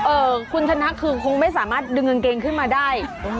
คุณชนะคือคงไม่สามารถดึงกางเกงขึ้นมาได้